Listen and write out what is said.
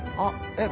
えっ？